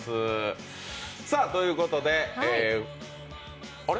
ということであれ？